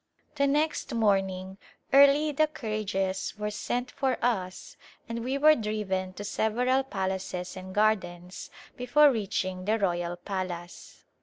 The next morning early the carriages were sent for us and we were driven to several palaces and gardens before reaching the royal palace.